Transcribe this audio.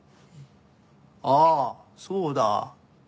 ああそうだ。